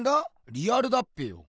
リアルだっぺよ。